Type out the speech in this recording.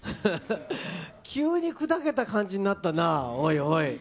急に砕けた感じになったな、おいおい。